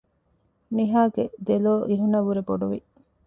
ނިހާގެ ދެލޯ އިހުނަށްވުރެ ބޮޑުވި